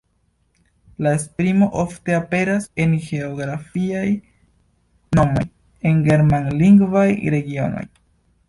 La esprimo ofte aperas en geografiaj nomoj en germanlingvaj regionoj.